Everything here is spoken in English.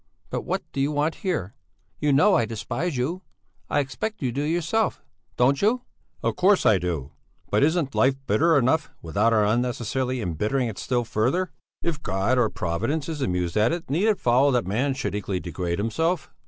But what do you want here? You know I despise you! I expect you do yourself. Don't you?" "Of course I do! But isn't life bitter enough without our unnecessarily embittering it still further? If God, or Providence, is amused at it, need it follow that man should equally degrade himself?"